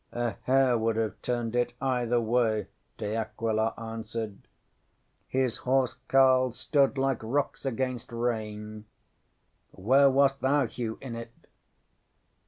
ŌĆśŌĆ£A hair would have turned it either way, ŌĆØ De Aquila answered. ŌĆ£His house carles stood like rocks against rain. Where wast thou, Hugh, in it?